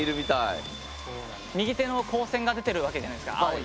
右手の光線が出てるわけじゃないですか青い。